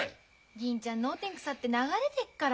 銀ちゃん脳天腐って流れてっから。